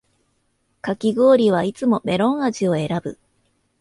かき氷はいつもメロン味を選ぶ